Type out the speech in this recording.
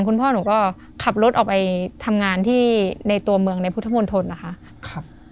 คุณพ่อหนูก็ขับรถออกไปทำงานที่ในตัวเมืองในพุทธมนตรนะคะ